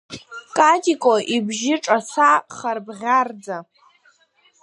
Катико ибжьы ҿаца харбӷьарӡа.